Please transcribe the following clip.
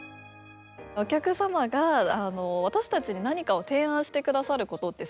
お客様が私たちに何かを提案してくださることってすごく多くって。